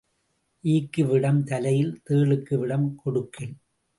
ஈக்கு விடம் தலையில் தேளுக்கு விடம் கொடுக்கில்.